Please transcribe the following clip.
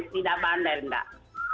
tidak bandar enggak